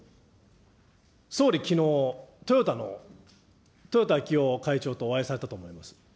総理、きのう、トヨタの豊田あきお会長とお会いされたと思います。